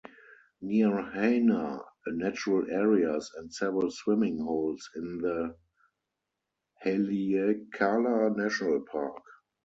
Near Hana are natural areas and several swimming holes in the Haleakala National Park.